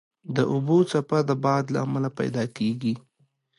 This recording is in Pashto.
د اوبو څپه د باد له امله پیدا کېږي.